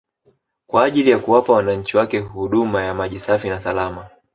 kwa ajili ya kuwapa wananchi wake huduma ya maji safi na salama